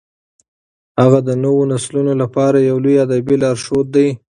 هغه د نوو نسلونو لپاره یو لوی ادبي لارښود دی.